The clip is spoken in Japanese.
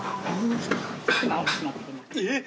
えっ？